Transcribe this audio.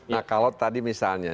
nah kalau tadi misalnya